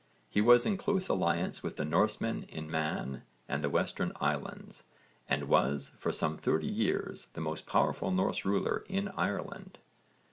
He was in close alliance with the Norsemen in Man and the Western Islands, and was, for some thirty years, the most powerful Norse ruler in Ireland.